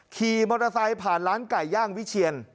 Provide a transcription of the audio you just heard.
ขี่มอเตอร์ไซค์ผ่านร้านไก่ย่างวิเชียน